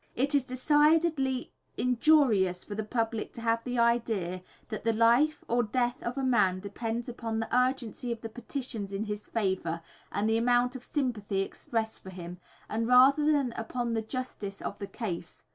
It is decidedly injurious for the public to have the idea that the life or death of a man depends upon the urgency of the petitions in his favour and the amount of sympathy expressed for him, rather than upon the justice of the case.